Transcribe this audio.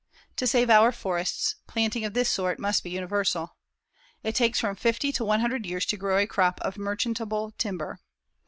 To save our forests, planting of this sort must be universal. It takes from fifty to one hundred years to grow a crop of merchantable timber.